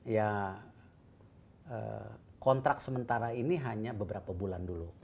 ya kontrak sementara ini hanya beberapa bulan dulu